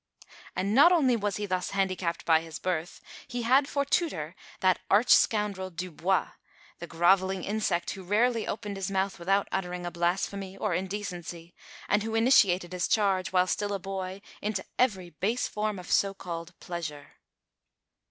And not only was he thus handicapped by his birth; he had for tutor that arch scoundrel Dubois the "grovelling insect" who rarely opened his mouth without uttering a blasphemy or indecency, and who initiated his charge, while still a boy, into every base form of so called pleasure.